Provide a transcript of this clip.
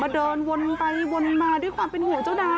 เดินวนไปวนมาด้วยความเป็นห่วงเจ้าน้ำ